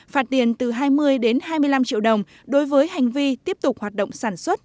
phạt tiền từ hai mươi đến hai mươi năm triệu đồng đối với hành vi tiếp tục hoạt động sản xuất